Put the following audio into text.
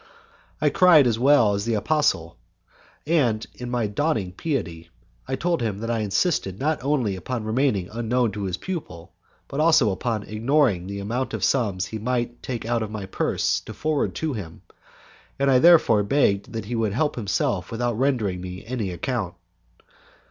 I cried as well as the apostle, and in my dawning piety I told him that I insisted not only upon remaining unknown to his pupil, but also upon ignoring the amount of the sums he might take out of my purse to forward to him, and I therefore begged that he would help himself without rendering me any account.